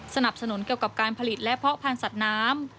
สนับสนุนเกี่ยวกับการผลิตและเพาะพันธุ์สัตว์น้ำ